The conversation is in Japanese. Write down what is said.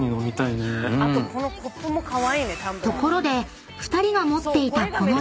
［ところで２人が持っていたこの容器］